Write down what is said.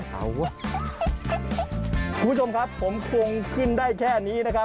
คุณผู้ชมครับผมคงขึ้นได้แค่นี้นะครับ